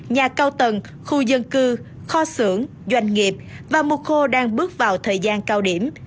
nhà cao tầng khu dân cư kho xưởng doanh nghiệp và mùa khô đang bước vào thời gian cao điểm